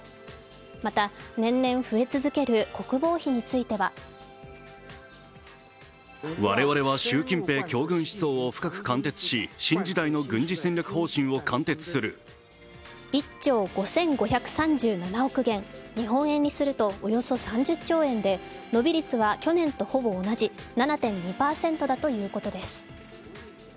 また、年々増え続ける国防費については１兆５５３７億元日本円にするとおよそ３０兆円で伸び率は去年とほぼ同じ７．２％だということです。